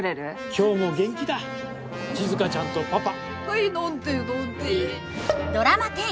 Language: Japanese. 今日も元気だ静ちゃんとパパ。